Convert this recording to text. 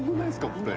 これ。